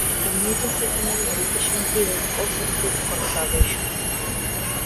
A major secondary-education bill also proved controversial.